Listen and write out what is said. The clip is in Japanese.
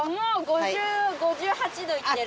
５０５８度いってる！